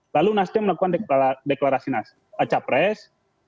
lalu nasdem melakukan deklarasi capres